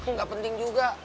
nggak penting juga